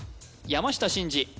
山下真司